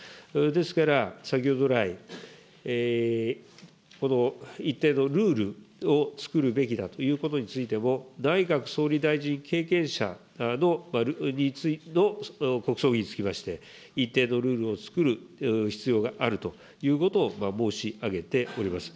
ですから、先ほど来、この一定のルールをつくるべきだということについても、内閣総理大臣経験者の国葬儀につきまして、一定のルールをつくる必要があるということを申し上げております。